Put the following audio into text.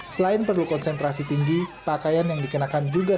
selain perlu konsentrasi tinggi pakaian yang dikenakan juga